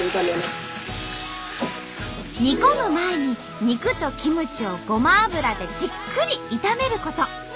煮込む前に肉とキムチをごま油でじっくり炒めること。